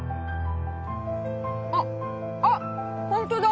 あっあっ本当だ！